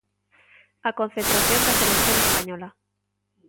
A concentración da selección española.